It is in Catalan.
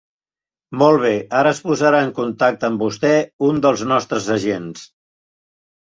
Molt bé, ara es posarà en contacte amb vostè un dels nostres agents.